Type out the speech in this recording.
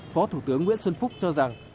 phó thủ tướng nguyễn xuân phúc cho rằng